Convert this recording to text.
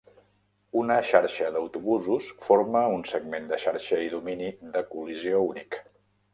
Una xarxa d'autobusos forma un segment de xarxa i domini de col·lisió únic.